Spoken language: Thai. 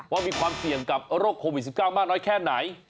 ว่ามีความเสี่ยงกับโรคโควิด๑๙มากน้อยแค่ไหน